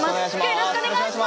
よろしくお願いします。